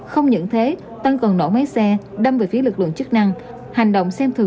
không những thế tân còn nổ máy xe đâm về phía lực lượng chức năng